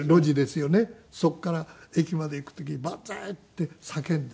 そこから駅まで行く時にバンザーイ！って叫んで。